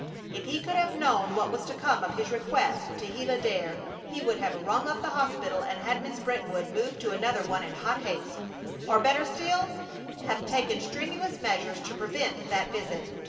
If he could have known what was to come of his request to Gila Dare he would have rung up the hospital and had Miss Brentwood moved to another one in hot haste, or, better still, have taken strenuous measures to prevent that visit.